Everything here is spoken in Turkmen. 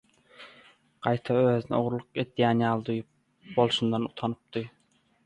Gaýta özüni ogurlyk edýän ýaly duýup, bolşundan utanypdy.